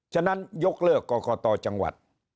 ฉะนั้นยกเลิกกรกตจังหวัด